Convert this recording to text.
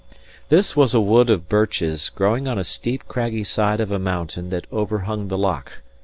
This was a wood of birches, growing on a steep, craggy side of a mountain that overhung the loch.